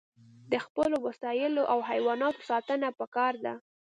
د خپلو وسایلو او حیواناتو ساتنه پکار ده.